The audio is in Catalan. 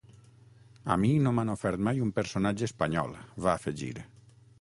A mi no m’han ofert mai un personatge espanyol, va afegir.